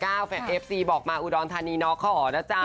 อ่ะย้ำ๘๑๘๙แฟนเอฟซีบอกมาอุดรณฑานีน้อขอนะจ๊ะ